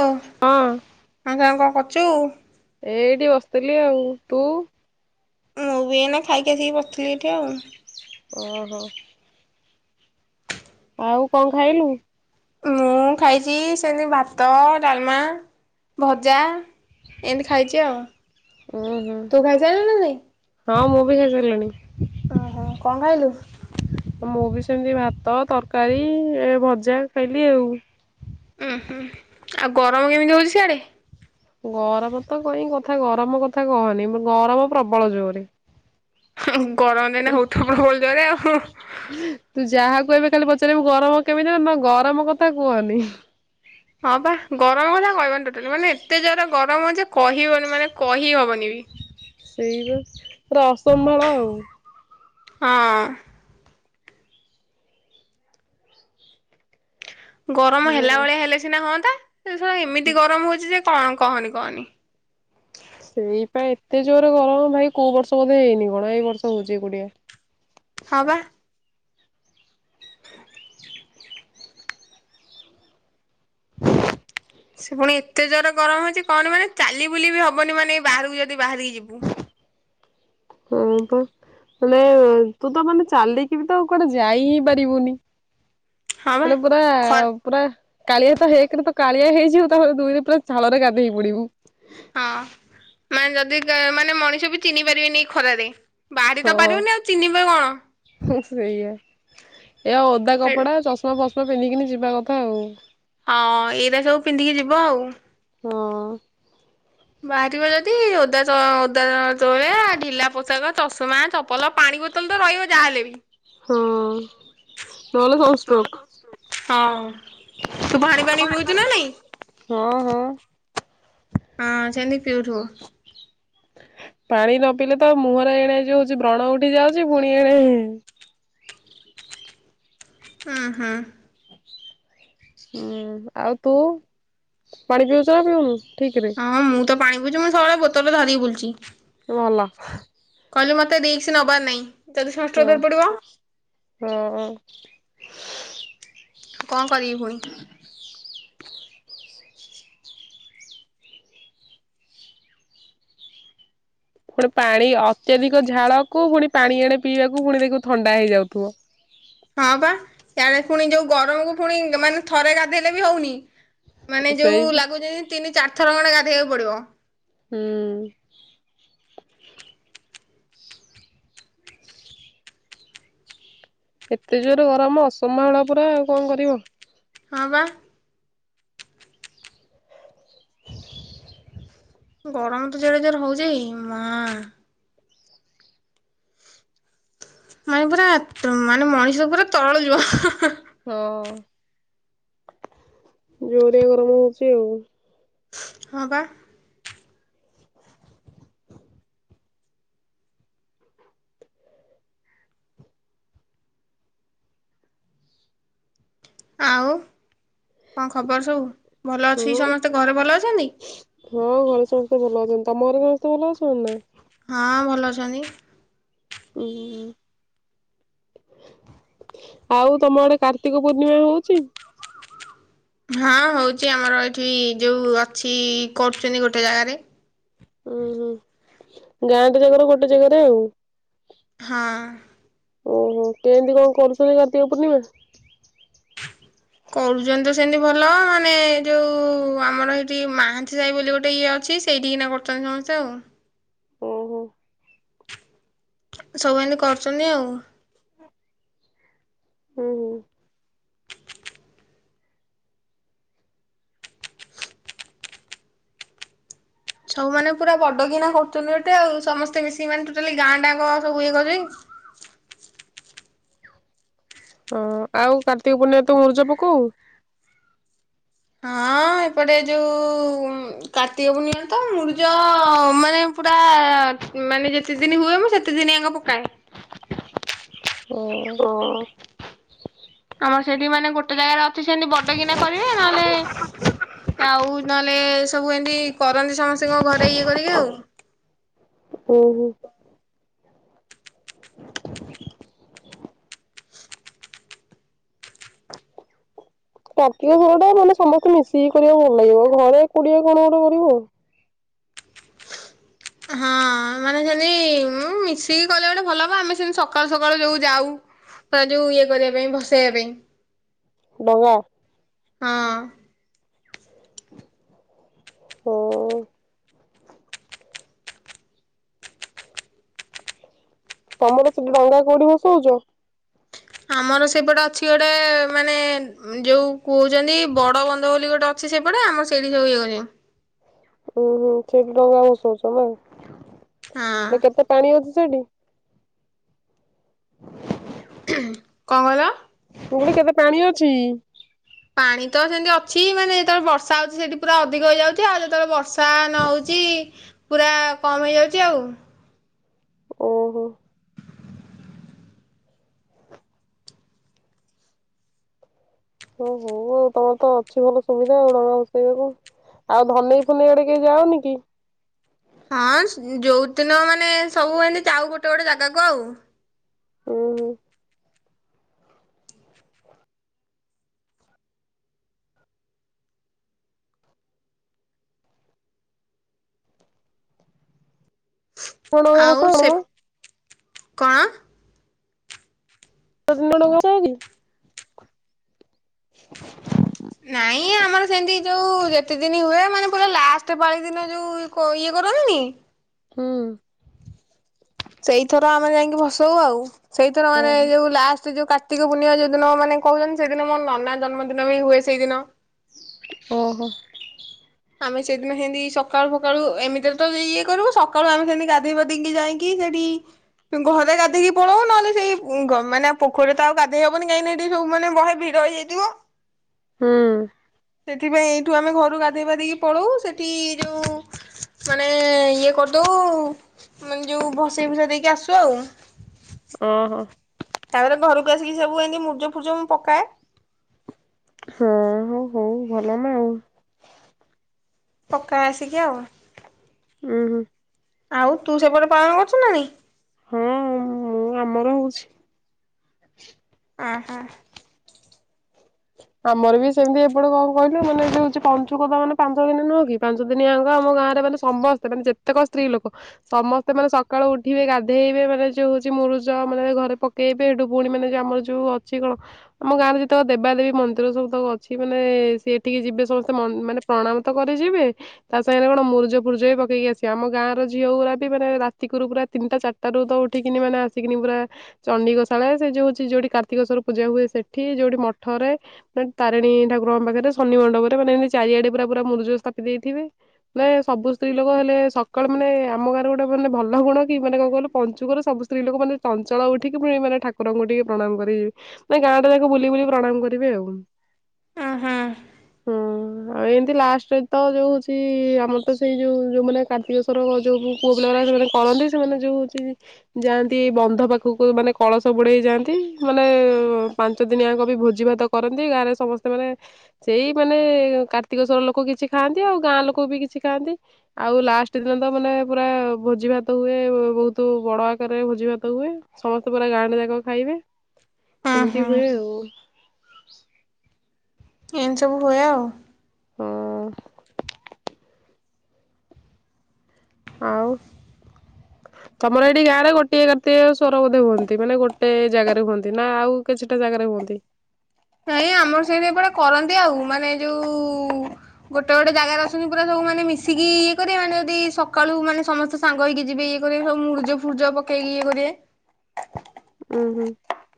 ହଁ ହଁ ଆଖା କଣ କରୁଛୁ? [unintelligible] ଏଇଠି ବସିଥିଲି ଆଉ ତୁ? ମୁଁ ବି ଏଇନା ଖାଇକି ଆସିକି ବସିଥିଲି ଏଠି ଆଉ। ଓହୋ। ଆଉ କଣ ଖାଇଲୁ? ମୁଁ ଖାଇଛି ସେନତି ଭାତ, ଡାଲମା, ଭଜା। ଏମତି ଖାଇଚି ଆଉ। ଉଁ ହୁଁ, ତୁ ଖାଇସାରିଲୁ ନା ନାଇଁ? ହଁ ମୁଁ ବି ଖାଇ ସାଇଲିଣି। ଓହୋ କଣ ଖାଇଲୁ? ମୁଁ ବି ସେମିତି ଭାତ, ତରକାରୀ, ଏ ଭଜା ଖାଇଲି ଆଉ। ଉଁ ହୁଁ, ଆଉ ଗରମ କେମିତି ହଉଚି ସିଆଡ଼େ? ଗରମ ତ କଇଁ କଥା ଗରମ କଥା କହନି ଗରମ ପ୍ରବଳ ଜୋରେ। ଗରମ ଦିନ ହଉଥିବ ପ୍ରବଳ ଜୋରେ ଆଉ ହୁଁ। ତୁ ଯାହାକୁ ଏବେ ଖାଲି ପଚାରିବୁ ଗରମ କେମିତି ନା ଗରମ କଥା କୁହନି। ହଁ ବା ଗରମ କଥା କହିବନି ଟୋଟାଲି ମାନେ ଏତେ ଜୋରେ ଗରମ ଯେ କହିବନି ମାନେ କହି ହବନି ବି। [inaudible] ସେଇ ବା, ପୁରା ଅସମ୍ଭାଳ ଆଉ। ହଁ। ଗରମ ହେଲା ହୁଁ। ଭଳିଆ ହେଲେ ସିନା ହଅନ୍ତା ସେ ଶଳା ଏମିତି ଗରମ ହଉଚି ଯେ କଣ କହନି କହନି। ସେଇ ପା ଏତେ ଜୋରେ ଗରମ ଭାଇ କୋଉ ବର୍ଷ ବୋଧ ହେଇନି କଣ ଏଇ ବର୍ଷ ହଉଛି ଏକୁଟିଆ। ହଁ ବା। ସେ ପୁଣି ଏତେ ଜୋରେ ଗରମ ହଉଛି, କଅନି ମାନେ ଚାଲି ବୁଲି ବି ହବନି ମାନେ ବାହାରକୁ ଯଦି ବାହାରିକି ଯିବୁ। [inaudible] ହଁ ପା। ମାନେ, ତୁ ତ ମାନେ ଚାଲିକି ବି ତ କୁଆଡେ ଯାଇ ହିଁ ପାରିବୁନି। ହଁ ବା ହେଲେ ପୁରା ଖ ପୁରା କାଳିଆ ତ ହେଇକିରି ତ କାଳିଆ ହେଇଯିବୁ ତାପରେ ଦୁଇରେ ପୁରା ଝାଳରେ ଗାଧେଇ ପଡିବୁ। ହଁ ମାନେ ଯଦି କା ମାନେ ମଣିଷ ବି ଚିହ୍ନି ପାରିବେନି ଏ ଖରାରେ। ବାହାରି ତ ହଁ, ପାରିବନି ଆଉ ଚିହ୍ନିବେ କଣ ସେଇଆ। ଏ ଓଦା ଏଇଟା କପଡା ଚଷ ନୂଆ ବସ୍ତ୍ର ପିନ୍ଧିକିନି ଯିବା କଥା ଆଉ। ହଁ ଏଇରା ସବୁ ପିନ୍ଧିକି ଯିବ ଆଉ। ହଁ। ବାହାରିବ ଯଦି, ଓଦା ତ ଓଦା ତଳେ ଢିଲା ପୋଷାକ ଚଷମା ଚ ପଲ, ପାଣି ବୋତଲ ତ ରହିବ ଯାହାହେଲେ ବି। ହଁ ନହେଲେ ତଳେ ସନଷ୍ଟ୍ରୋକ୍। ସମସ୍ତେ ଶଉଛୂ, ହଁ ତୁ ପାଣି ଫାଣି ପିଉଛୁ ନା ନାଇଁ। ହଁ ହଁ। ହଁ ସେମିତି ପିଉଥିବୁ। ପାଣି ନ ପିଲେ ତ, ମୁହଁରେ ଏଣେ ଯଉ ହଉଛି ବ୍ରଣ ଉଠି ଯାଉଛି ଫୁଣି ଏଣେ ହୁଁ ହୁଁ। ଉଁ ଆଉ ତୁ, ପାଣି ପିଉଛୁ ନା ପିଉନୁ ଠିକ ରେ। ତୁ ପାଣି ପିଉଚୁ ମୁଁ ସବୁଳେ ବୋତଲ ଧରିକି ବୁଲୁଚି। ଭଲ। କଇଲୁ ମତେ ରିସ୍କ ନବାର ନାଇଁ। ହଁ ହଁ ହଁ। କଣ କରିବି ପୁଣି। ପୁଣି ପାଣି ଅତ୍ୟଧିକ ଝାଳକୁ ପୁଣି ପାଣି ଏଣେ ପିଇବାକୁ ପୁଣି ଦେଖିବୁ ଥଣ୍ଡା ହେଇଯାଉଥିବ। ହଁ ପା ଇଆଡେ ପୁଣି ଯୋଉ ଗରମକୁ ପୁଣି ମାନେ ଥରେ ଗାଧେଇଲେ ବି ହଉନି। ମାନେ ଯୋଉ ସେଇ ଲାଗୁଚି ଜେନ୍ତି ତିନି ଚାରିଥର ଖଣ୍ଡେ ଗାଧେଇବାକୁ ପଡିବ। ହୁଁ। ଏତେ ଜୋରେ ଗରମ ଅସମ୍ଭାଳ ପୁରା କଣ କରିବ। ହଁ ବା। [inaudible] ଗରମ ତ ଜଡେ ଜୋରେ ହଉଚି ମା। ମାନେ ପୁରା ମାନେ ମଣିଷ ପୁରା ତରଳି ଯିବ ହାଁ ହାଁ ହାଁ। ହଁ ଜୋରେ ଗରମ ହୋଉଚି ଆଉ। ହଁ ପା। ଆଉ କଣ ଖବର ସବୁ ଭଲ ହଁ ଅଛି ସମସ୍ତେ ଘରେ ଭଲ ଅଛନ୍ତି? ହଁ ଘରେ ସମସ୍ତେ ଭଲ ଅଛନ୍ତି। ତମ ଘରେ ସମସ୍ତେ ଭଲ ଅଛନ୍ତି ନା? ହଁ ଭଲ ଅଛନ୍ତି। ଉୁଁ ହୁଁ ଆଉ ତମ ଆଡ଼େ କାର୍ତ୍ତିକ ପୂର୍ଣ୍ଣିମା ହୋଉଚି? ହାଁ ହୋଉଛି ଆମର ଏଠି ଯୋଉ ଅଛି କରୁଛନ୍ତି ଗୋଟେ ଜାଗାରେ। ଉଁହୁଁ ଗାଁଟା ଯାକର ଗୋଟେ ଜାଗାରେ ଆଉ। ହଁ। ଓହୋ କେମିତି କଣ କରୁଛନ୍ତି କାର୍ତ୍ତିକ ପୂର୍ଣ୍ଣିମା? [unintelligible] କରୁଛନ୍ତି ତ ସେମିତି ଭଲ ମାନେ ଯୋଉ ଆମର ଏଠି ମହାନ୍ତି ସାହି ବୋଲି ଗୋଟେ ୟେ ଅଛି। ସେଇଟି କିନା କରୁଛନ୍ତି ସମସ୍ତେ ଆଉ। ଓ ହୋ। ସବୁ ଏମିତି କରୁଛନ୍ତି ଆଉ। ହୁଁ ହୁଁ। ସବୁ ମାନେ ପୁରା ବଡଗିନା କରୁଛନ୍ତି ଏଇଠେ ଆଉ ସମସ୍ତେ ମିଶିକି ମାନେ ପୁରା ଟୋଟାଲି ଗାଁ ଟା ଯାକ ୟେ କରୁଛନ୍ତି। ହଁ ଆଉ କାର୍ତ୍ତିକ ପୂର୍ଣ୍ଣିମାରେ ତୁ ମୁରୁଜ ପୋକଉ? ହଁ ଏପଟେ ଯୋଉ କାର୍ତ୍ତିକ ପୂର୍ଣ୍ଣିମାରେ ତ ମୁରୁଜ ମାନେ ପୁରା ମାନେ ଯେତେଦିନି ହୁଏ ମୁଁ ସେତେ ଦିନି ଆଙ୍କ ପକାଏ। ଓ। ହଁ। ଆମର ସେଠି ମାନେ ଗୋଟେ ଜାଗାରେ ଅଛି ସେମିତି ବଡ଼ କିନା କରିବେ ନହେଲେ ଆଉ ନ ହେଲେ ସବୁ ଏମିତି କରନ୍ତି ସମସ୍ତେ କଣ ଘରେ ୟେ କରିକି ଆଉ। ଓହୋ। କାର୍ତ୍ତିକ ଘର ଟା ମାନେ ସମସ୍ତେ ମିଶିକି କରିବାକୁ ଭଲ ଲାଗିବ ଘରେ ଏକୁଟିଆ କଣ ଗୋଟେ କରିବ। ହଁ। ମାନେ ସେମିତି ହୁଁ ମିଶିକି କଲେ ଗୋଟେ ଭଲ ହେବ ଆମେ ସେମିତି ସକାଳୁ ସକାଳୁ ଯୋଉ ଯାଉ। ତା ଯୋଉ ୟେ କରିବା ପାଇଁ ଭସେଇବା ପାଇଁ। ଡବା। ହଁ। ହୁଁ। ତମର ସେଠି ଡଙ୍ଗା କୋଉଠି ଭସଉଛ? ଆମର ସେପଟେ ଅଛି ଗୋଟେ ମାନେ ଯୋଉ କହୁଛନ୍ତି ବଡ଼ ବନ୍ଧ ବୋଲି ଗୋଟେ ଅଛି ସେପଟେ ଆମର ସେଇଠି ସବୁ ୟେ କରିବେ। ଉଁ ହୁଁ ସେଇଠି ଡଙ୍ଗା ଭସଉଛ ହଁ ନା କେତେ ପାଣି ଅଛି ସେଇଟି? କଣ କହିଲ? ପୁଣି କେବେ ପାଣି ଅଛି। ପାଣି ତ ସେନ୍ତି ଅଛି ମାନେ ଯେତେବେଳେ ବର୍ଷା ହୋଉଛି ସେଠୀ ପୁରା ଅଧିକ ହୋଇଯାଉଛି ଆଉ ଯେତେବେଳେ ବର୍ଷା [unintelligible] ହେଉଛି ପୁରା କମ୍ ହେଇଯାଉଛି ଆଉ। ଓ ହୋ। ଓ ହଉ ଆଉ ତମର ତ ଅଛି ଭଲ ସୁବିଧା ଆଉ ଡଙ୍ଗା ଭସେଇବାକୁ। ଆଉ ଭନେଇ ଫନେଇ ଆଡ଼େ କିଏ ଯାଅନି କି? ହାଁନସ୍ ଯୋଉ ଦିନ ମାନେ ସବୁ ଏମତି ଯାଉ ଗୋଟେ ଗୋଟେ ଜାଗାକୁ ଆଉ। ହୁଁ ଉଁ। କଣ ଡଙ୍ଗା ଆଉ ଭସାଅ ସେ ମ? [inaudible] କଣ? [unintelligible] [unintelligible] ନାଇଁ ଆମର ସେମିତି ଯଉ ଯେତେ ଦିନି ହୁଏ, ମାନେ ପୁରା ଲାଷ୍ଟ ପାଳି ଦିନ ଯଉ। କୋ ଇଏ କରନ୍ତିନି। ହୁଁ। ସେଇଥର ଆମେ ଯାଇକି ଭସଉ ଆଉ, ସେଇଥର ମାନେ ଓହୋ ଯଉ ଲାଷ୍ଟ। ସେ ଯଉ କାର୍ତ୍ତିକ ପୂର୍ଣ୍ଣିମା ଯଉ ଦିନ ମାନେ କହୁଛନ୍ତି, ସେଦିନ ମୋ ନନା ଜନ୍ମଦିନ ବି ହୁଏ ସେଇଦିନ। ଓହୋ। ଆମେ ସେଦିନ ସେମତି ସକାଳୁ ସକାଳୁ ଏମିତିରେ ତ ଇଏ କରିବୁ, ସକାଳୁ ଆମେ ସେମିତି ଗାଧୋଇ ପାଧେଇି ଯାଇକି, କି ଦେଡ଼ି। ତୁ ଘରେ ଗାଧୋଇକି ପଳଉ ନହେଲେ ସେଇ ମାନେ ପୋଖୀରେ ତ ଆଉ ଗାଧୋଇ ହବନି, କାହିଁକିନା ଏଠି ସବୁ ମାନେ ବହେ ଭି ରହିଯାଇଥିବ। ହୁଁ। ସେଥିପାଇଁ ଏଇଠୁ ଆମେ ଘରକୁ ଗାଧ ଗାଧେଇ ପାଧେଇ କି ପଳଉ ସେଠି ଯଉ ମାନେ ଇଏ କରିଦଉ। ମାନେ ଯଉ ଭସେଇ ଭୁସା ଦେଇକି ଆସୁ ଆଉ। ଓହୋ। ତାପରେ ଘରକୁ ଆସିକି ସବୁ ଏମିତି ମୁର୍ଜ ଫୁର୍ଜ ମୁଁ ପକାଏ। ହଁ ହୁଁ ହଉ ଭଲ ନାଁ ଆଉ। ପକା ଆସିକି ଆଉ। ଉହୁଁ। ଆଉ ତୁ ସେପଟେ ପାଳନ କରୁଛୁ ନାଁ ନାହିଁ? ହୁଁ ମୁଁ ଆମର ହଉଛି। ଆଁ ହୁଁ। ତମର ବି ସେମିତି ଏପଟେ କଣ କହିଲୁ, ମାନେ ଯଉ ହଉଛି ପଞ୍ଚୁକ ମାନେ ପାଞ୍ଚ ଦିନ ନୁହଁ କି? ପାଞ୍ଚ ଦିନିଆଙ୍କ ଆମ ଗାଁରେ ମାନେ ସମସ୍ତେ ମାନେ ଯେତେକ ସ୍ତ୍ରୀ ଲୋକ। ସମସ୍ତେ ମାନେ ସକାଳୁ ଉଠିବେ ଗାଧୋଇବେ ମାନେ ଯଉ ହଉଛି ମୁରୁଜ ମାନେ ଘରେ ପ କେବେଠୁ ଭଉଣୀ ମାନେ ଯେ ଆମର ଯଉ ଅଛି କଣ ଆମ ଗାଁରେ ଯେତେକ, ଦେବାଦେବୀ ମନ୍ଦିର ସବୁ ତ ଅଛି ମାନେ ସେଇଠିକି ଯିବେ ସମସ୍ତେ ମାନେ ପ୍ରଣାମ ତ କରି ଯିବେ। ତା ସାଙ୍ଗରେ କଣ ମୁର୍ଜ ଫୁର୍ଜ ବି ପକେଇକି ଆସିବା ଆମ ଗାଁର ଝିଅ ଗୁରାବି ମାନେ ରାତିକୁର୍ ପୁର ତିନିଟା ଚାରଟା ତାଠୁ ତ ଉଠିକିନି ମାନେ ଆସିକିନି ପୁରା। ଚଣ୍ଡି ଗୋଷାଳ ରେ ସେ ଯଉ ହଉଛି ଯୋଉଠି କାର୍ତ୍ତିକେଶ୍ଵର ପୂଜା ହୁଏ ସେଠି ଯୋଉଠି ମଠରେ। ନା ତାରେଣି ଠାକୁରଙ୍କ ପାଖରେ ଶନି ମଣ୍ଡପରେ ମାନେ ଏମିତି ଚାରିଆଡେ ପୁରା ପୁରା ମୁର୍ଜ ସ୍ଥାପି ଦେଇଥିବେ। ନାଇଁ ସବୁ ସ୍ତ୍ରୀ ଲୋକ ହେଲେ ସକାଳୁ ମାନେ ଆମ ଗାଁରେ ଗୋଟେ ମାନେ ଭଲ ଗୁଣ କି ମାନେ କଣ କହିଲୁ ପଞ୍ଚୁକର ସବୁ ସ୍ତ୍ରୀ ଲୋକ ମାନେ ଚଞ୍ଚଳ ଉଠିକି ମାନେ ଠାକୁରଙ୍କୁକେ ପ୍ରଣାମ କରିିବି ମାନେ ଗାଁ ଟା ଯାକ ବୁଲି ବୁଲି। ପ୍ରଣାମ କରିବେ ଆଉ ଉଁ ହୁଁ ହୁଁ। ଆଉ ଏମିତି ଲାଷ୍ଟରେ ତ ଜୋଉ ହୋଉଚି ଆମର ତ ସେଇ ଜୋଉ ଜୋଉମାନେ କାର୍ତ୍ତିକସ୍ୱର ଯୋଉ ପୁଅ ପିଲା ମାନେ ସେମାନେ କରନ୍ତି ସେମାନେ ଯୋଉ ହୋଉଚି ଯାଆନ୍ତି ବନ୍ଧ ପାଖକୁ ମାନେ କଳସ ବୁଡେଇ ଯାଆନ୍ତି ମାନେ ପାଞ୍ଚ ଦିନିଯାଙ୍କ ବି ଭୋଜି ଭାତ କରନ୍ତି ଗାଁ ରେ ସମସ୍ତେ ମାନେ ସେଇ ମାନେ କାର୍ତ୍ତିକେସ୍ୱର ଲୋକ କିଛି ଖାଆନ୍ତି ଆଉ ଗାଁ ଲୋକ ବି କିଛି ଖାଆନ୍ତି। ଆଉ ଲାଷ୍ଟ ଦିନ ତ ମାନେ ପୁରା ଭୋଜି ଭାତ ହୁଏ ବୋହୁତ ବଡ ଆକାରରେ ଭୋଜି ଭାତ ହୁଏ। ସମସ୍ତେ ପୁରା ଗାଁଟା ଯାକ ଖାଇବେ। ଉଁ ଏମିତି ହୁଁ ହୁଏ ଆଉ। ଏମିତି ସବୁ ହୁଏ ଆଉ। ହୁଁ। ଆଉ? [unintelligible] ତମର ଏଇଠି ଗାଁ ରେ ଗୋଟିଏ କାତିକସ୍ୱର ବୋଧେ ହୁଅନ୍ତି ମାନେ ଗୋଟେ ଜାଗାରେ ହୁଅନ୍ତି ନା ଆଉ କିଛିଟା ଜାଗାରେ ହୁଅନ୍ତି? ନାଇଁ ଆମର ସେମିତି ଏପଟେ କରନ୍ତି ଆଉ ମାନେ ଯୋଉ ଗୋଟେ ଗୋଟେ ଜାଗାରେ ଅଛନ୍ତି ପୁରା ସବୁ ମାନେ ମିଶିକି ଇଏ କରିବା ମାନେ ଯଦି ସକାଳୁ ମାନେ ସମସ୍ତେ ସାଙ୍ଗ ହେଇକି ଯିବେ ଇଏ କରିବେ ସବୁ ମୁରୁର୍ଜ ଫୁରୁର୍ଜ ପକେଇକି ଇଏ କରିବେ। ଉଁ ହୁଁ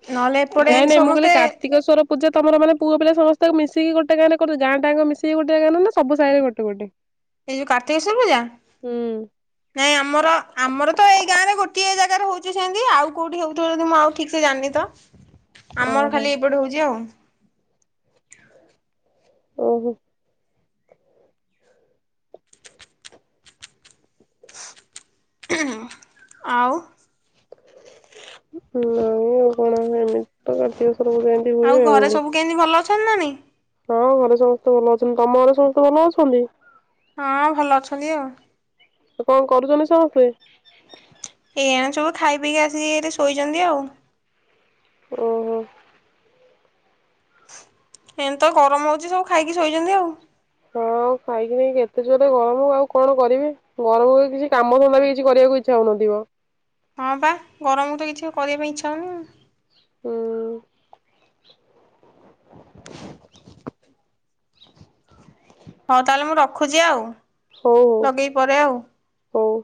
ନହେଲେ ଏପଟେ ନାଇଁ ଏମିତି ନାଇଁ ମୁଁ କହିଲି ସମସ୍ତେ କାର୍ତ୍ତିକସ୍ୱର ପୂଜା ତମର ମାନେ ପୁଅ ପିଲା ସମସ୍ତଙ୍କୁ ମିଶି ଗଟେ ଗାଁ ରେ କରୁ ଗାଁଟାଜାଙ୍କ ମିଶିକି ଗୋଟେ ଜାଗାରେ ନା ସବୁ ସାଇରେ ଗୋଟ ଗୋଟେ? ଏଇ ଯୋଉ କାର୍ତ୍ତିକେଶ୍ୱବ ପୂଜା? ହୁଁ। ନାଇଁ ଆମର ଆମର ତ ଏଇ ଗାଁରେ ଗୋଏ ଜାଗାରେ ହୋଉଚି ସେମିତି ଆଉ କୋଉଠି ହୋଉଥିବ ଯଦି ମୁଁ ଆଉ ଠିକ୍ ସେ ଜାଣିନି ତ ଆମର ଓହୋ। ଖାଲି ଏଇପଟେ ହୋଉଚି ଆଉ। ଓହୋ। ହୁଁ ହୁଁ ଆଉ ନାଇଁ ଆଉ କଣ ଏମିତି ତ କାତିକସ୍ୱର ଯାଆନ୍ତି। ଆଉ ଘରେ ସବୁ କେମିତି ଭଲ ଅଛନ୍ତି ନାହିଁ? ହଁ ଘରେ ସମସ୍ତେ ଭଲ ଅଛନ୍ତି ତମ ଘରେ ସମସ୍ତେ ଭଲ ଅଛନ୍ତି? ହଁ ଭଲ ଅଛନ୍ତି ଆଉ। କଣ କରୁଚନ୍ତି ସମସ୍ତେ? ଏଇଆଣେ ସବୁ ଖାଇ ପିଇକି ଆସିକି ଶୋଇଚନ୍ତି ଆଉ। ଓହୋ। ଏମିତି ତ ଗରମ ହୋଉଚି ସବୁ ଖାଇକି ଶୋଇଚନ୍ତି ଆଉ। ହଁ ଖାଇକିି ହେଇ କେତେ ଜୋରେ ଗରମ ଆଉ କଣ କରିବି। ଗରମରେ କିଛି କାମ ଧନ୍ଦା ବି କିଛି କରିବାକୁଇଛା ହୋଉନଥିବ। ହଁ ବା ଗରମ ତ କିଛି କରିବା ପାଇଁ ଇଛା ହୋଉନି। ହୁଁ। ହଁ ତାହେଲେ ମୁଁ ରଖୁଛି ଆଉ। ହୋଉ ହୋଉ ଲଗେଇକି ପରେ ଆଉ। ହୋଉ।